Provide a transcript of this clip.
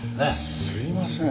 すいません。